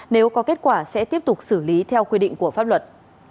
nếu có kết quả sẽ tiếp tục xử lý theo quy định của pháp luật